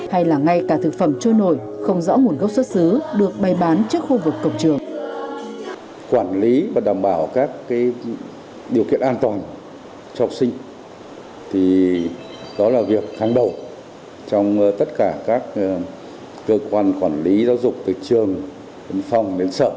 hay là ngay cả thực phẩm trôi nổi không rõ nguồn gốc xuất xứ được bày bán trước khu vực cổng trường